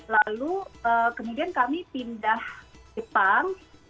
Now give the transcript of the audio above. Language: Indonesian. lalu kemudian kami pindah jepang